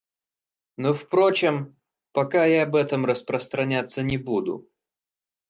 Но впрочем, пока я об этом распространяться не буду.